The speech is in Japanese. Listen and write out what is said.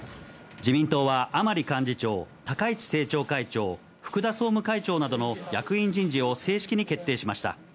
自民党は、甘利幹事長、高市政調会長、福田総務会長などの役員人事を正式に決定しました。